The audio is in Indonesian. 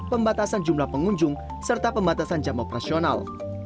pembatasan jumlah pengunjung serta pembatasan jam operasional